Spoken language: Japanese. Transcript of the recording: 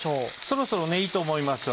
そろそろいいと思います。